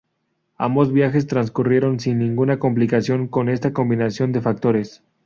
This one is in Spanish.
Ambos viajes transcurrieron sin ninguna complicación con esta combinación de factores.